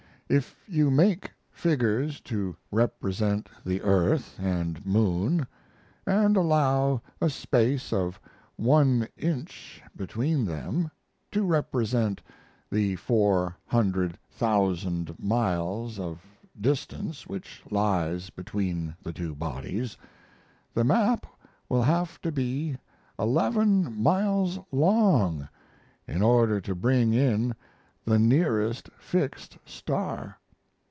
If you make figures to represent the earth and moon, and allow a space of one inch between them, to represent the four hundred thousand miles of distance which lies between the two bodies, the map will have to be eleven miles long in order to bring in the nearest fixed star.